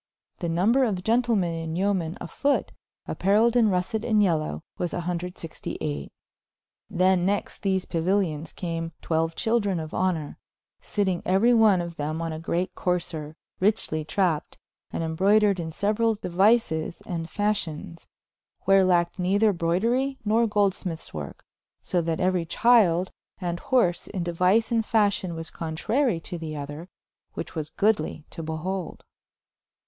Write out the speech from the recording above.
The nomber of Gentlemen and yomen a fote, appareiled in russet and yealow was clxviii. Then next these Pauilions came xii chyldren of honor, sitting euery one of them on a greate courser, rychely trapped, and embroudered in seuerall deuises and facions, where lacked neither brouderie nor goldsmythes work, so that euery chyld and horse in deuice and fascion was contrary to the other, which was goodly to beholde.